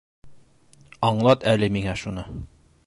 —Аңлат әле миңә шуны.